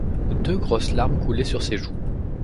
Deux grosses larmes coulaient sur ses joues.